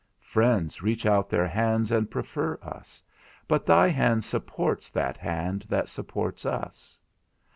Friends reach out their hands and prefer us; but thy hand supports that hand that supports us.